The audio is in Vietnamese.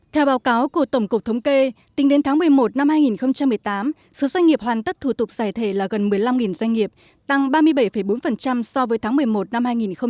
theo báo cáo của tổng cục thống kê tính đến tháng một mươi một năm hai nghìn một mươi tám số doanh nghiệp hoàn tất thủ tục giải thể là gần một mươi năm doanh nghiệp tăng ba mươi bảy bốn so với tháng một mươi một năm hai nghìn một mươi tám